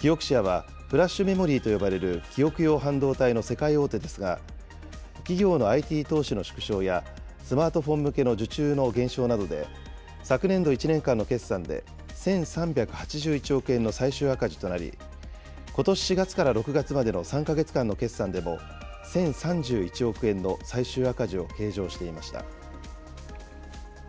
キオクシアはフラッシュメモリーと呼ばれる記憶用半導体の世界大手ですが、企業のＩＴ投資の縮小や、スマートフォン向けの受注の減少などで、昨年度１年間の決算で、１３８１億円の最終赤字となり、ことし４月から６月までの３か月間の決算でも、１０３１億円の最終赤字を計上していました。